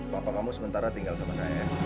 bapak kamu sementara tinggal sama saya